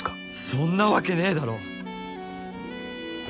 そんなわけねえだろ。